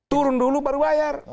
turun dulu baru bayar